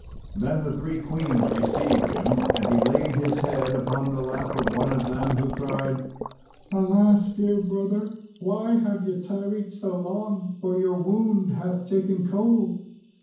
Then the three queens received him, and he laid his head upon the lap of one of them, who cried, "Alas! dear brother, why have ye tarried so long, for your wound hath taken cold?"